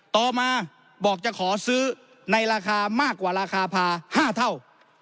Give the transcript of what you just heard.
ต่อมาบอกจะขอซื้อในราคามากกว่าราคาพา๕เท่า